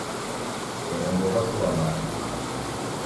Mterengo ghwasighwa mwari